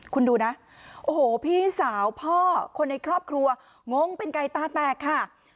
คุณดูนะโอ้โหพี่สาวพ่อคนในครอบครัวงงเป็นไก่ตาแตกค่ะ